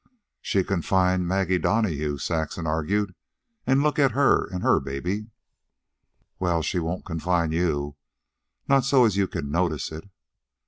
"She confined Maggie Donahue," Saxon argued; "and look at her and her baby." "Well, she won't confine you not so as you can notice it."